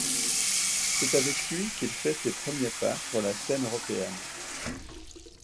C'est avec lui qu'il fait ses premiers pas sur la scène européenne.